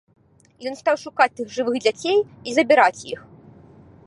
Ён стаў шукаць тут жывых дзяцей і забіраць іх.